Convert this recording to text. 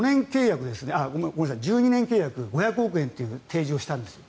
１２年契約５００億円という提示をしたんです。